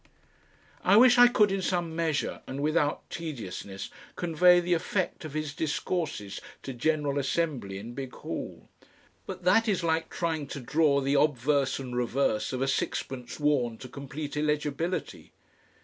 I wish I could, in some measure and without tediousness, convey the effect of his discourses to General Assembly in Big Hall. But that is like trying to draw the obverse and reverse of a sixpence worn to complete illegibility.